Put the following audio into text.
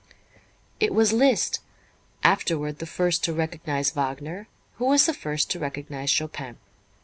It was Liszt, afterward the first to recognize Wagner, who was the first to recognize Chopin.